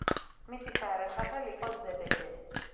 მისი საერო სახელი იყო ზებედე.